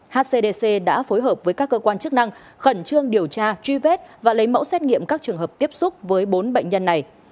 hcdc đã phối hợp với các cơ quan chức năng khẩn trương điều tra truy vết và lấy mẫu xét nghiệm các trường hợp tiếp xúc với bốn bệnh nhân này